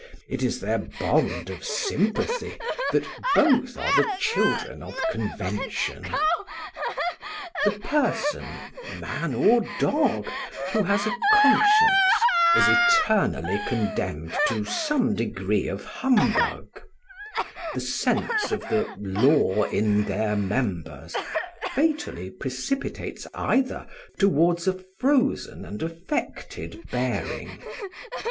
It is their bond of sympathy that both are the children of convention. The person, man or dog, who has a conscience is eternally condemned to some degree of humbug; the sense of the law in their members fatally precipitates either towards a frozen and affected bearing.